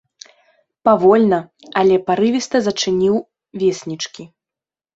Павольна, але парывіста зачыніў веснічкі.